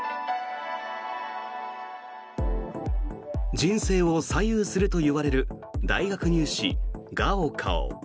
人生を左右するといわれる大学入試、高考。